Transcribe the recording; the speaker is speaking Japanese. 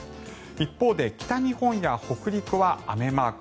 一方で北日本や北陸は雨マーク。